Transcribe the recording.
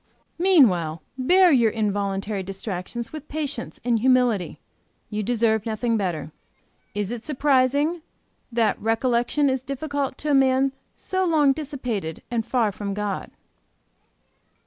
Meanwhile bear your involuntary distractions with patience and humility; you deserve nothing better. Is it surprising that recollection is difficult to a man so long dissipated and far from God? "III.